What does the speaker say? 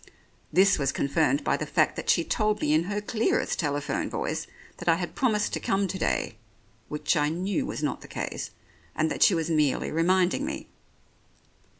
This was confirmed by the fact that she told me in her clearest telephone voice that I had promised to come to day (which I knew was not the case) and that she was merely reminding me.